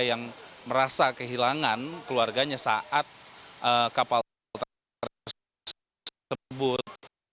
yang merasa kehilangan keluarganya saat kapal tersebut